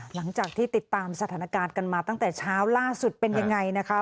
หลังจากที่ติดตามสถานการณ์กันมาตั้งแต่เช้าล่าสุดเป็นยังไงนะคะ